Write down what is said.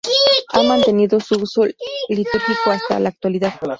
Ha mantenido su uso litúrgico hasta la actualidad.